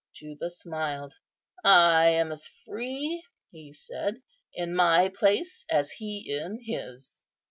Juba smiled. "I am as free," he said, "in my place, as He in His."